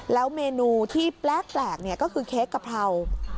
แล้วเมนูที่แปลกก็คือเค้กกะเพรา